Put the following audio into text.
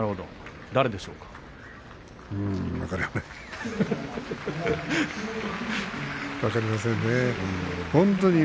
分かりません。